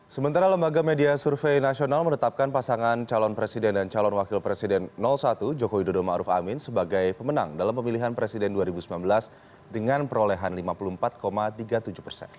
sementara lembaga media survei nasional menetapkan pasangan calon presiden dan calon wakil presiden satu joko widodo ⁇ maruf ⁇ amin sebagai pemenang dalam pemilihan presiden dua ribu sembilan belas dengan perolehan lima puluh empat tiga puluh tujuh persen